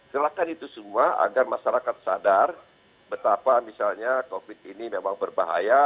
silahkan itu semua agar masyarakat sadar betapa misalnya covid ini memang berbahaya